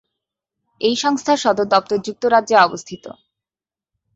এই সংস্থার সদর দপ্তর যুক্তরাজ্যে অবস্থিত।